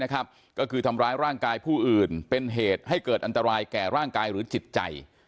ก็คือทำร้ายร่างกายผู้อื่นเป็นเหตุให้เกิดอันตรายแก่ร่างกายหรือจิตใจ